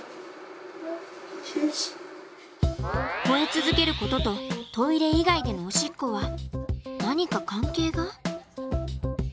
吠え続けることとトイレ以外でのおしっこは何か関係が？